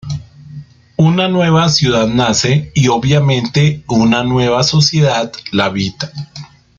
Una nueva ciudad nace y obviamente una nueva sociedad la habita.